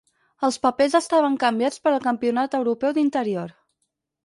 Els papers estaven canviats per al Campionat europeu d'interior.